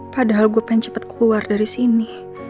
padahal gue pengen cepat keluar dari sini